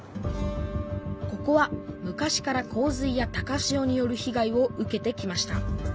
ここは昔から洪水や高潮によるひ害を受けてきました。